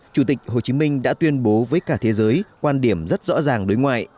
chủ tịch hồ chí minh đã tuyên bố với cả thế giới quan điểm rất rõ ràng đối ngoại